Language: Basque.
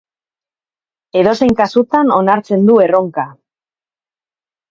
Edozein kasutan, onartzen du erronka.